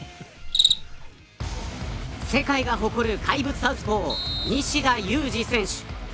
世界が誇る怪物サウスポー西田有志選手。